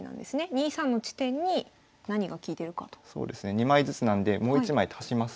２枚ずつなんでもう一枚足します。